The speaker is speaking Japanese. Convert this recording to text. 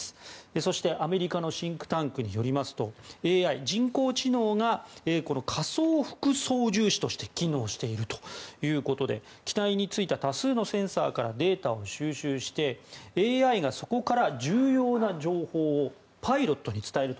そして、アメリカのシンクタンクによりますとＡＩ・人工知能が仮想副操縦士として機能しているということで機体についた多数のセンサーからデータを収集してＡＩがそこから重要な情報をパイロットに伝えると。